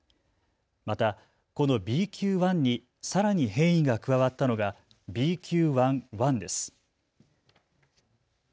また、このＢＱ．１にさらに変異が加わったのがＢＱ．１．１です。